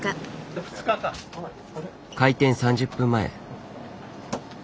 開店３０分前。